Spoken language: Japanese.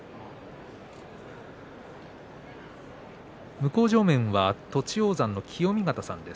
向正面は栃煌山の清見潟さんです。